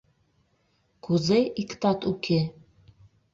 Кузе иктат уке?